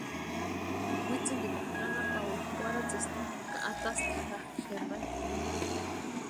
Witsintikwa nana Paula kwarhatsesti ka atasti jakʼi jempani.